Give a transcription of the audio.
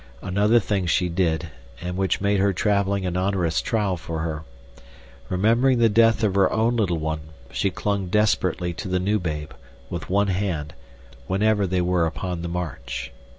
Another thing she did, and which made traveling an onerous trial for her. Remembering the death of her own little one, she clung desperately to the new babe, with one hand, whenever they were upon the march.